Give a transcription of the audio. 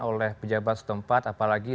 oleh pejabat setempat apalagi